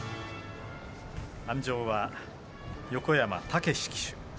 鞍上は横山武史騎手。